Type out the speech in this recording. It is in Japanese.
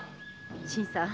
新さん。